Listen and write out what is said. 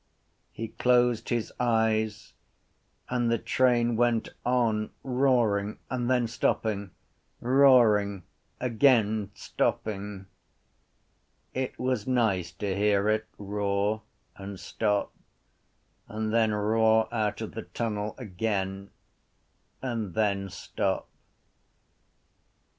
He closed his eyes and the train went on, roaring and then stopping; roaring again, stopping. It was nice to hear it roar and stop and then roar out of the tunnel again and then stop.